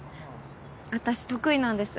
私得意なんです。